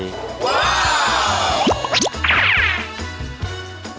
ว้าว